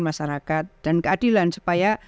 masyarakat dan keadilan supaya